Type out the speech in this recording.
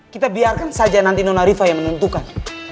kita biarkan saja nanti nona riva yang menentukan